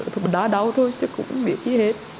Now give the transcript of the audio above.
đá đá đau thôi chứ cũng không biết gì hết